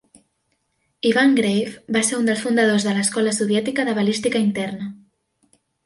Ivan Grave va ser un dels fundadors de l'escola soviètica de balística interna.